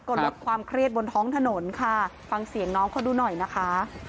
ก็ลดความเครียดบนท้องถนนค่ะฟังเสียงน้องเขาดูหน่อยนะคะ